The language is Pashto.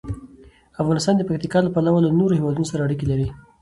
افغانستان د پکتیکا له پلوه له نورو هېوادونو سره اړیکې لري.